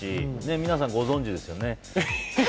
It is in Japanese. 皆さん、ご存じですよね？